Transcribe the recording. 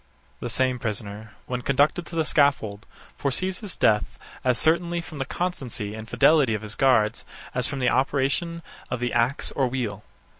The same prisoner, when conducted to the scaffold, foresees his death as certainly from the constancy and fidelity of his guards, as from the operation of the axe or wheel.